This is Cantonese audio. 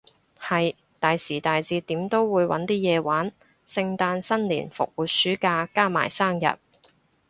係，大時大節點都會搵啲嘢玩，聖誕新年復活暑假，加埋生日